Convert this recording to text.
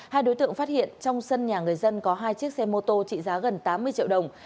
hai đối tượng phát hiện trong sân nhà người dân có hai chiếc xe mô tô trị giá gần tám mươi triệu đồng